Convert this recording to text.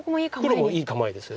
黒もいい構えですよね。